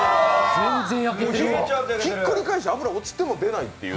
ひっくり返して脂が落ちても出ないという。